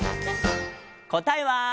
「こたえは」